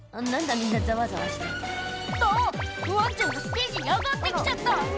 みんなざわざわしてあっワンちゃんがステージに上がって来ちゃった！